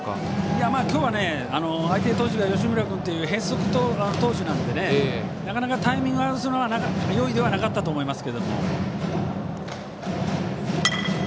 いや、今日は相手投手が吉村君という変則投手なので、なかなかタイミングを合わせるのは容易ではなかったと思います。